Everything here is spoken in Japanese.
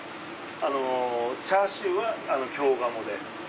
チャーシューは京鴨で。